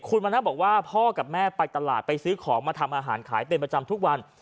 คุณมณัฐบอกว่าพ่อกับแม่ไปตลาดไปซื้อของมาทำอาหารขายเป็นประจำทุกวัน